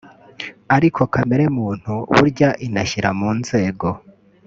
ariko kamere muntu burya inashyira mu nzego